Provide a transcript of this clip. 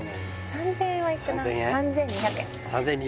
３０００円はいくな３２００円３０００円？